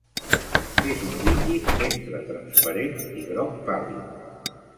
És un líquid entre transparent i groc pàl·lid.